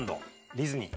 ディズニー。